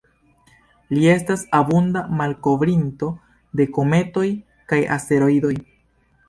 Li estas abunda malkovrinto de kometoj kaj asteroidoj.